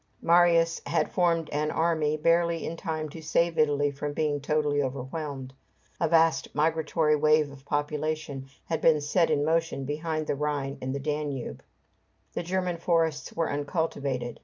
Marius had formed an army barely in time to save Italy from being totally overwhelmed. A vast migratory wave of population had been set in motion behind the Rhine and the Danube. The German forests were uncultivated.